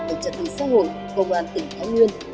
bệnh trật tình xã hội công an tỉnh thái nguyên